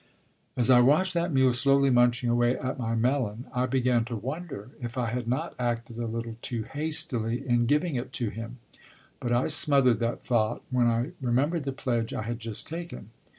As I watched that mule slowly munching away at my melon, I began to wonder if I had not acted a little too hastily in giving it to him, but I smothered that thought when I remembered the pledge I had just taken.